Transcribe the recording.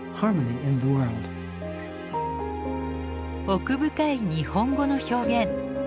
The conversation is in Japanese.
奥深い日本語の表現。